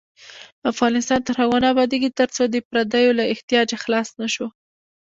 افغانستان تر هغو نه ابادیږي، ترڅو د پردیو له احتیاجه خلاص نشو.